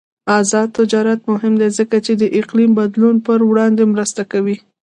آزاد تجارت مهم دی ځکه چې د اقلیم بدلون پر وړاندې مرسته کوي.